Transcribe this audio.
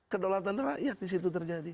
kedolatan rakyat disitu terjadi